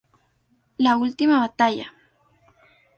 La Última Batalla!